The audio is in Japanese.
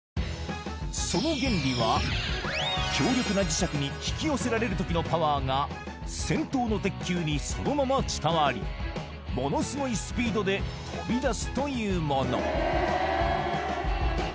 その原理は強力な磁石に引き寄せられる時のパワーが先頭の鉄球にそのまま伝わりものすごいスピードで飛び出すというもの